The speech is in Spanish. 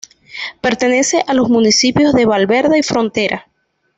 Pertenece a los municipios de Valverde y Frontera.